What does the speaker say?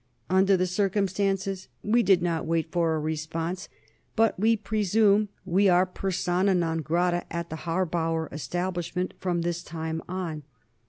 Under the circumstances, we did not wait for a response, but we presume we are persona non grata at the Harbauer establishment from this time on.